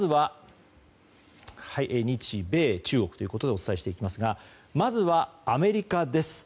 日米中国ということでお伝えしていきますがまずはアメリカです。